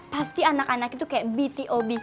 pasti anak anak itu kayak btob